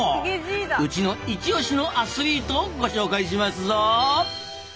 うちの一推しのアスリートをご紹介しますぞ！